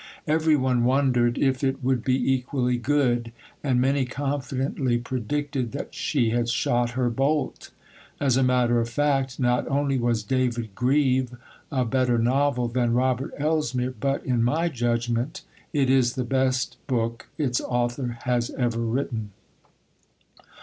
Every one wondered if it would be equally good; and many confidently predicted that she had shot her bolt. As a matter of fact, not only was David Grieve a better novel than Robert Elsmere, but, in my judgement, it is the best book its author has ever written.